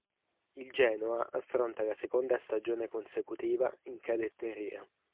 Il Genoa affronta la seconda stagione consecutiva in cadetteria.